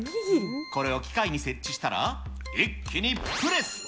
これを機械に設置したら、一気にプレス。